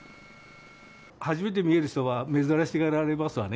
初めて見える人は珍しがられますわね。